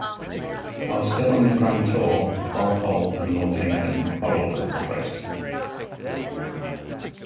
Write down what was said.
While still on his Grand Tour, Walpole and Lord Lincoln quarreled and separated.